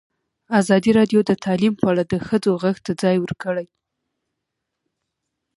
ازادي راډیو د تعلیم په اړه د ښځو غږ ته ځای ورکړی.